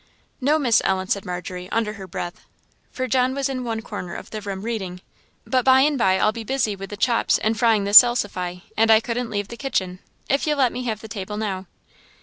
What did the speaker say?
"No, Miss Ellen," said Margery, under her breath, for John was in one corner of the room reading "but by and by I'll be busy with the chops and frying the salsify, and I couldn't leave the kitchen if you'll let me have the table now."